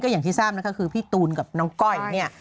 อย่างที่ทราบนะคะคือพี่ตูนกับน้องก้อยเนี่ย